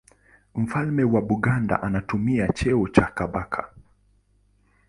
Mfalme wa Buganda anatumia cheo cha Kabaka.